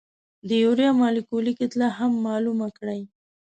د یوریا مالیکولي کتله هم معلومه کړئ.